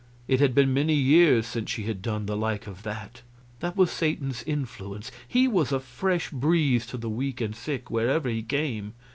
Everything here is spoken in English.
It had been many years since she had done the like of that. That was Satan's influence; he was a fresh breeze to the weak and the sick, wherever he came.